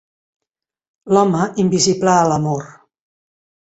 L'home invisible a l'amor.